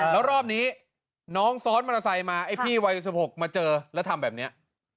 แล้วรอบนี้น้องซ้อนมอเตอร์ไซค์มาไอ้พี่วัย๑๖มาเจอแล้วทำแบบนี้